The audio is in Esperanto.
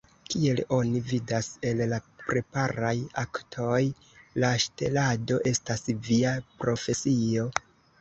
Kiel oni vidas el la preparaj aktoj, la ŝtelado estas via profesio!